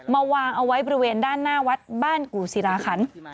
วางเอาไว้บริเวณด้านหน้าวัดบ้านกู่ศิราขัน